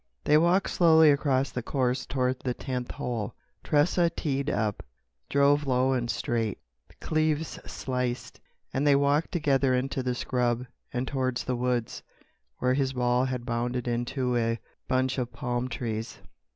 They walked slowly across the course toward the tenth hole. Tressa teed up, drove low and straight. Cleves sliced, and they walked together into the scrub and towards the woods, where his ball had bounded into a bunch of palm trees.